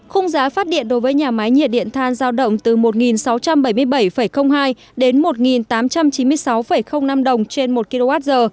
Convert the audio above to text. khung giá phát điện đối với nhà máy nhiệt điện than giao động từ một sáu trăm bảy mươi bảy hai đến một tám trăm chín mươi sáu năm đồng trên một kwh